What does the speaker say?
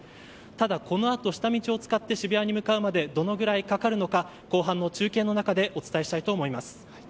ただ、このあと下道を使って渋谷までどのくらいかかるのか後半の中継の中でお伝えしたいと思います。